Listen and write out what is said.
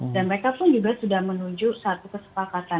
dan mereka pun juga sudah menuju satu kesepakatan